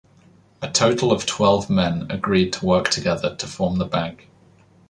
A total of twelve men agreed to work together to form the bank.